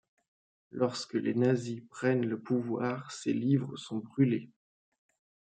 Lorsque les nazis prennent le pouvoir, ses livres sont brûlés.